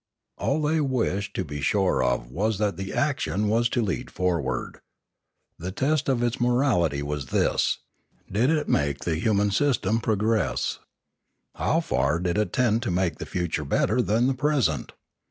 All they wished to be sure of was that the action was to lead forward. The test of its morality was this: did it make the human system progress ? How far did it tend to make the future better than the present?